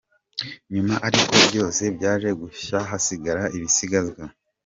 Nyuma ari ko byose byaje gushya hasigara ibisigazwa.